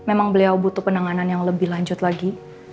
memang beliau butuh penanganan yang lebih lanjut lagi